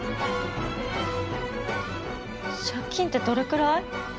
借金ってどれくらい？